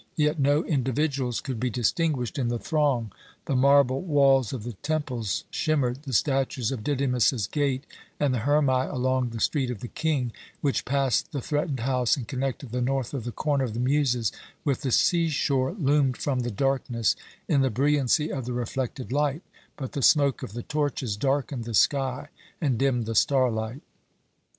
Yet no individuals could be distinguished in the throng. The marble walls of the temples shimmered, the statues at Didymus's gate, and the hermæ along the street of the King which passed the threatened house and connected the north of the Corner of the Muses with the sea shore, loomed from the darkness in the brilliancy of the reflected light, but the smoke of the torches darkened the sky and dimmed the starlight.